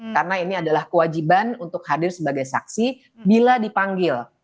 karena ini adalah kewajiban untuk hadir sebagai saksi bila dipanggil